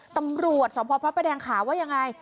ตำรวจสพพระประแดงขาว่ายังไง